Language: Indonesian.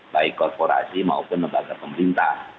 baik korporasi maupun lembaga pemerintah